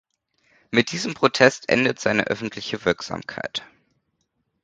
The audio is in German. Mit diesem Protest endet seine öffentliche Wirksamkeit.